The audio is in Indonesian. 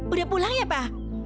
udah pulang ya pa